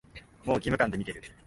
もう義務感で見てる